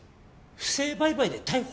不正売買で逮捕！？